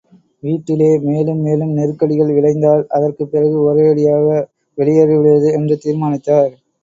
வீட்டிலே மேலும் மேலும் நெருக்கடிகள் விளைந்தால், அதற்குப் பிறகு ஒரேயடியாக வெளியேறி விடுவது என்றும் தீர்மானித்தார்.